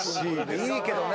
いいけどね。